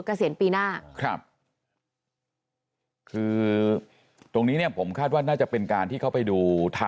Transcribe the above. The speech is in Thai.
เกษียณปีหน้าตรงนี้ผมคาดว่าน่าจะเป็นการที่เขาไปดู